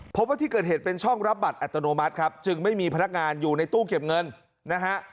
พบว่าที่เกิดเหตุเป็นช่องรับบัตรอัตโนมัติครับจึงไม่มีพนักงานอยู่ในตู้เก็บเงินนะฮะ